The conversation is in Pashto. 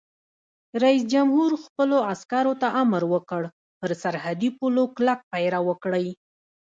رئیس جمهور خپلو عسکرو ته امر وکړ؛ پر سرحدي پولو کلک پیره وکړئ!